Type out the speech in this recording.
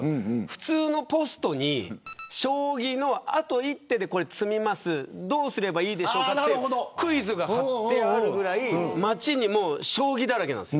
普通のポストにあと一手で詰みますどうすればいいでしょうというクイズが貼ってあるぐらい街が将棋だらけなんです。